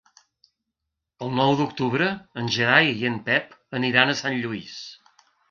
El nou d'octubre en Gerai i en Pep aniran a Sant Lluís.